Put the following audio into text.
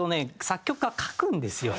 作曲家が書くんですよ。